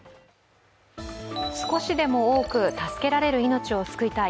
少しでも多く助けられる命を救いたい。